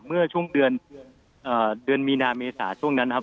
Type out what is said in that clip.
เมื่อช่วงเดือนมีนาเมษาช่วงนั้นนะครับ